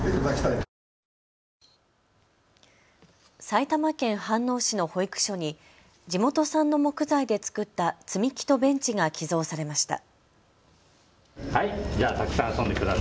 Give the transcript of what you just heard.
埼玉県飯能市の保育所に地元産の木材で作った積み木とベンチが寄贈されました。